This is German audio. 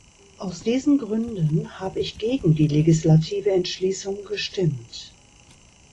Aus diesen Gründen habe ich gegen die legislative Entschließung gestimmt.